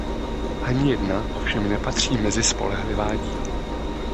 Ani jedna ovšem nepatří mezi spolehlivá díla.